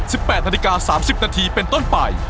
๑๘นาฬิกา๓๐นาทีเป็นต้นไป